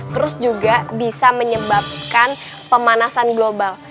terus juga bisa menyebabkan pemanasan global